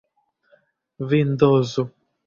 vindozo